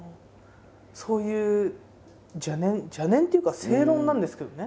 そういう邪念邪念っていうか正論なんですけどね。